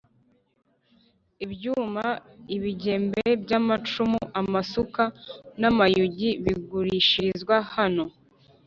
ibyuma, ibigembe by’amacumu, amasuka, namayugi bigurishirizwa hano